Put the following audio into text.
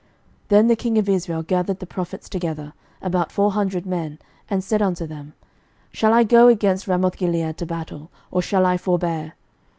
11:022:006 Then the king of Israel gathered the prophets together, about four hundred men, and said unto them, Shall I go against Ramothgilead to battle, or shall I forbear?